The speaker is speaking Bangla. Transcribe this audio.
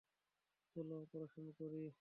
চল অপারেশন করি।